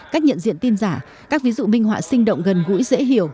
cách nhận diện tin giả các ví dụ minh họa sinh động gần gũi dễ hiểu